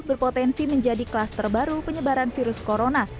berpotensi menjadi kelas terbaru penyebaran virus corona